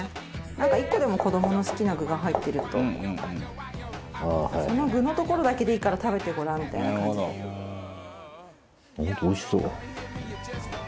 なんか、１個でも子どもの好きな具が入ってると「その具のところだけでいいから食べてごらん」みたいな感じで。